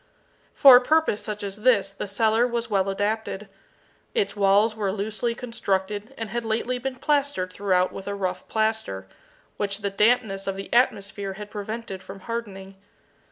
For a purpose such as this the cellar was well adapted. Its walls were loosely constructed and had lately been plastered throughout with a rough plaster, which the dampness of the atmosphere had prevented from hardening.